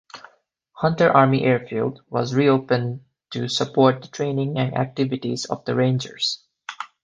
Hunter Army Airfield was reopened to support the training and activities of the Rangers.